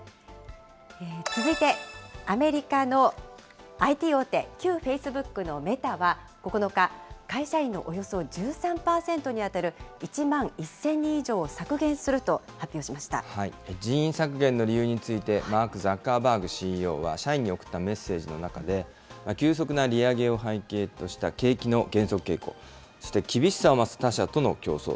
続いて、アメリカのＩＴ大手、旧フェイスブックのメタは９日、会社員のおよそ１３％に当たる１万１０００人以上を削減すると発人員削減の理由について、マーク・ザッカーバーグＣＥＯは、社員に送ったメッセージの中で、急速な利上げを背景とした景気の減速傾向、そして厳しさを増す他社との競争。